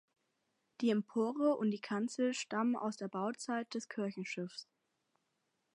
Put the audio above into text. Die Empore und die Kanzel stammen aus der Bauzeit des Kirchenschiffs.